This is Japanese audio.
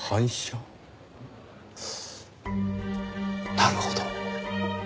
なるほど。